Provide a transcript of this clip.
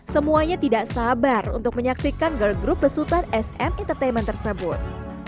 semuanya tidak sabar untuk menyaksikan girl group besutan sm entertainment tersebut